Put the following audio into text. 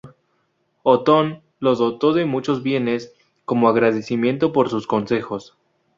Otón lo dotó de muchos bienes, como agradecimiento por sus consejos.